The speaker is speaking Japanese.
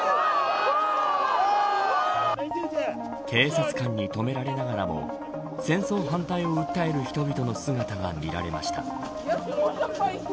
警察官に止められながらも戦争反対を訴える人々の姿が見られました。